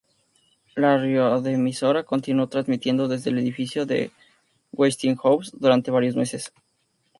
La radioemisora continuó transmitiendo desde el edificio de Westinghouse durante varios meses.